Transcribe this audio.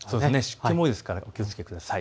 湿気も多いですからお気をつけください。